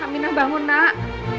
aminah bangun nak